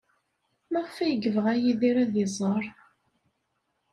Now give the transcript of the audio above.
Maɣef ay yebɣa Yidir ad iẓer?